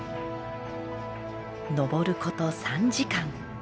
登ること３時間。